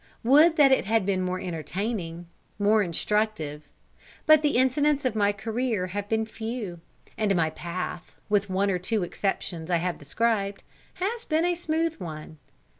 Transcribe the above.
Would that it had been more entertaining, more instructive. But the incidents of my career have been few, and my path, with the one or two exceptions I have described, has been a smooth one.